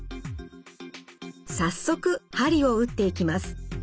早速鍼を打っていきます。